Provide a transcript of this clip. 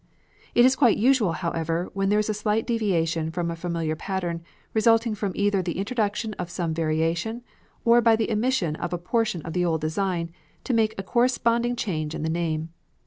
It is quite usual, however, when there is a slight deviation from a familiar pattern, resulting from either the introduction of some variation or by the omission of a portion of the old design, to make a corresponding change in the name.